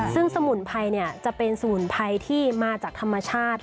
ซึ่งสมุนไพรจะเป็นสมุนไพรที่มาจากธรรมชาติ